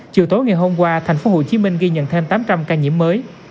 chiều tối ngày hôm qua thành phố hồ chí minh ghi nhận thêm tám trăm linh ca nhiễm mới